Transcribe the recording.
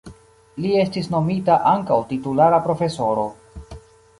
Li estis nomita ankaŭ titulara profesoro.